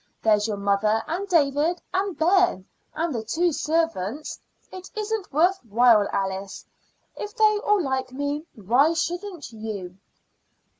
There's your mother and David and Ben and the two servants. It isn't worth while, Alice. If they all like me, why shouldn't you?"